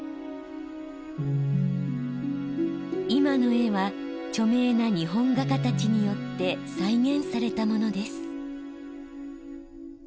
今の絵は著名な日本画家たちによって再現されたものです。